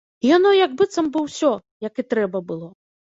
Яно як быццам бы ўсё, як і трэба, было.